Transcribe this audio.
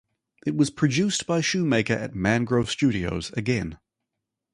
It was produced by Shoemaker at Mangrove Studios, again.